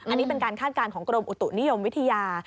อันนี้เป็นการคาดการณ์ของกรมอุตุนิยมวิทยา